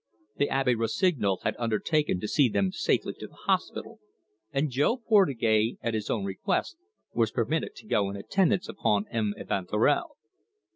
The Abbe Rossignol had undertaken to see them safely to the hospital, and Jo Portugais, at his own request, was permitted to go in attendance upon M. Evanturel.